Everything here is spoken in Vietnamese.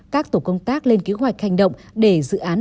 các tổ công tác lên kế hoạch hành động để dự án